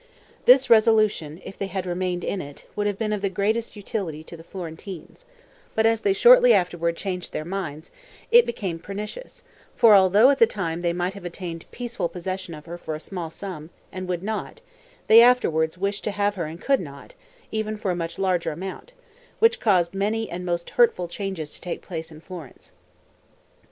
This resolution, if they had remained in it, would have been of the greatest utility to the Florentines; but as they shortly afterward changed their minds, it became most pernicious; for although at the time they might have obtained peaceful possession of her for a small sum and would not, they afterward wished to have her and could not, even for a much larger amount; which caused many and most hurtful changes to take place in Florence.